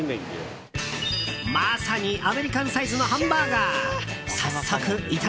まさにアメリカンサイズのハンバーガー。